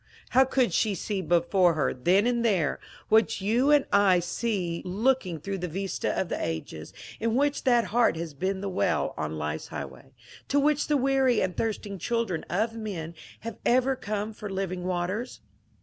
How could she see before her, then and there, what you and 378 MONCUEE DANIEL CONWAY I see looking through the vista of the ages in which that heart has been the well on life's highway, to which the weary and thirsting children of men have ever come for living waters